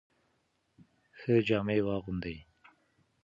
ښه جامې واغوندئ.